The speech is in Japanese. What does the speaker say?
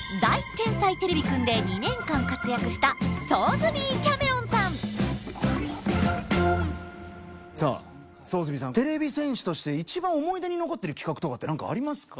天才てれびくん」で２年間活躍したさあソーズビーさんてれび戦士として一番思い出に残ってる企画とかって何かありますか？